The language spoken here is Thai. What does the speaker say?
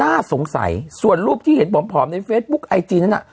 น่าสงสัยส่วนรูปที่เห็นผอมในเฟซบุ๊คไอจีนั้นน่ะ